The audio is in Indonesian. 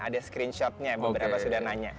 ada screenshotnya beberapa sudah nanya